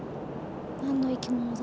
何の生き物だ？